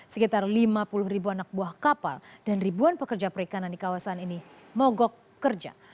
sekitar lima puluh ribu anak buah kapal dan ribuan pekerja perikanan di kawasan ini mogok kerja